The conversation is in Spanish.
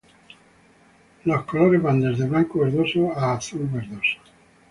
Los colores van desde blanco verdoso a azul verdoso.